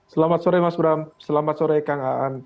selamat sore mas bram selamat sore kang aan